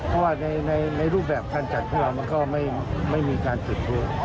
เพราะว่าในรูปแบบทางจัดเพื่อมันก็ไม่มีการจุดพลุ